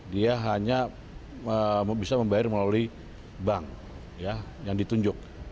dia hanya bisa membayar melalui bank yang ditunjuk